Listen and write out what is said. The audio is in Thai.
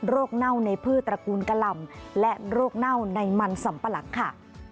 เน่าในพืชตระกูลกะหล่ำและโรคเน่าในมันสำปะหลังค่ะ